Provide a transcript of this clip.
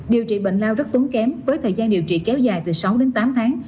điều trị bệnh lao rất tốn kém với thời gian điều trị kéo dài từ sáu đến tám tháng